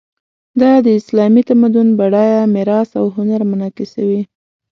دا د اسلامي تمدن بډایه میراث او هنر منعکسوي.